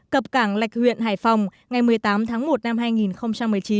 cập cảng lạch huyện hải phòng ngày một mươi tám tháng một năm hai nghìn một mươi chín